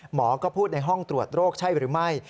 หมอก็พูดในห้องตรวจโรคใช่หรือไม่